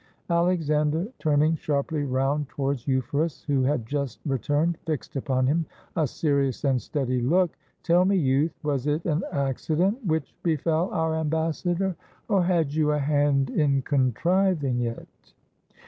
Alexander, turning sharply round towards Euphorus, who had just returned, fixed upon him a serious and steady look. '' Tell me, youth, was it an accident which be fell our ambassador, or had you a hand in contriving it?